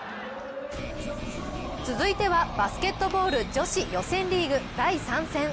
続いてはバスケットボール女子予選リーグ第３戦。